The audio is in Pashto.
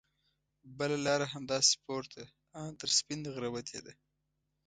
بله لاره همداسې پورته ان تر سپینغره وتې ده.